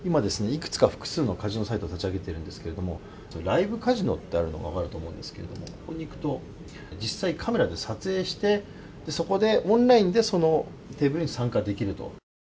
いくつか複数のカジノサイト立ち上げてるんですけれども、ライブカジノってあるのがわかると思うんですけれども、ここに行くと、実際カメラで撮影して、そこでオンラインでそのテーブルに参加できると。